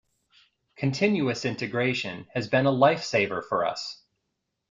Continuous Integration has been a lifesaver for us.